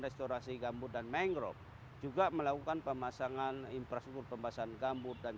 restorasi gambut dan mangrove juga melakukan pemasangan infrastruktur pembasahan gambut dan